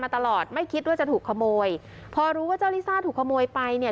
ตลอดไม่คิดว่าจะถูกขโมยพอรู้ว่าเจ้าลิซ่าถูกขโมยไปเนี่ย